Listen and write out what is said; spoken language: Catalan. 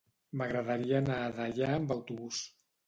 M'agradaria anar a Deià amb autobús.